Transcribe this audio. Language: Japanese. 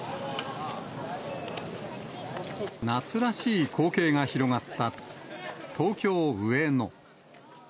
夏らしい光景が広がった、東京・上野。